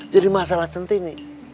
jadi masalah sendiri nih